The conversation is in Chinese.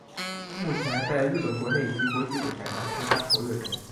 目前在日本国内以及国际舞台上频繁活跃中。